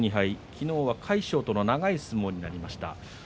昨日は魁勝との長い相撲になりました。